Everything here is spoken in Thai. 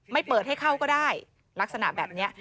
เปิดให้เข้าก็ได้ลักษณะแบบนี้